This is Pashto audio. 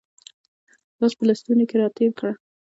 لاس په لستوڼي کې را تېر کړه